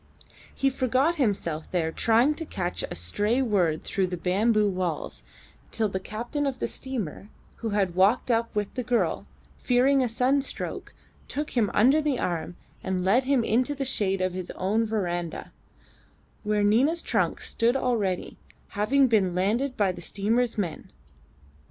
He forgot himself there trying to catch a stray word through the bamboo walls, till the captain of the steamer, who had walked up with the girl, fearing a sunstroke, took him under the arm and led him into the shade of his own verandah: where Nina's trunk stood already, having been landed by the steamer's men.